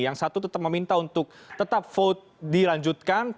yang satu tetap meminta untuk tetap vote dilanjutkan